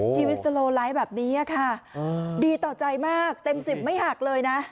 ชีวิตแบบนี้ค่ะอืมดีต่อใจมากเต็มสิบไม่หักเลยนะ